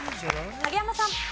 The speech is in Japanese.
影山さん。